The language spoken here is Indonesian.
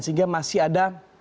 sehingga masih ada